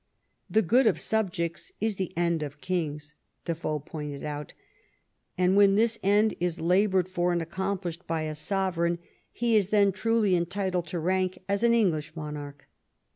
" The good of subjects is the end of kings," Defoe pointed out, and when this end is labored for and accomplished by a sovereign, he is 71 THE REIGN OF QUEEN ANNE then truly entitled to rank as an English monarch.